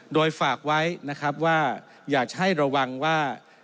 โดยฝากไว้นะครับว่าอยากจะให้ระวังว่า